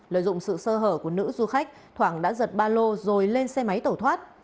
lợi dụng sự sơ hở của nữ du khách thoảng đã giật ba lô rồi lên xe máy tẩu thoát